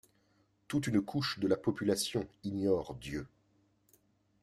Toute une couche de la population ignore Dieu.